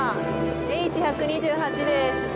Ｈ１２８です。